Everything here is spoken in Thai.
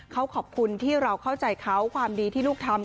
เขาขอบคุณที่เราเข้าใจเขาความดีที่ลูกทำ